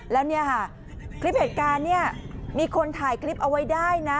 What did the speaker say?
แล้วคลิปเหตุการณ์มีคนถ่ายคลิปเอาไว้ได้นะ